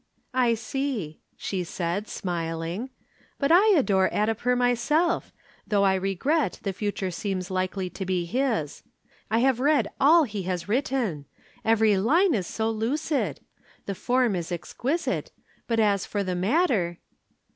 "I see," she said, smiling. "But I adore Addiper myself, though I regret the future seems likely to be his. I have read all he has written. Every line is so lucid. The form is exquisite. But as for the matter